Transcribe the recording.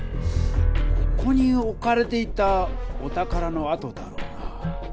ここにおかれていたお宝のあとだろうな。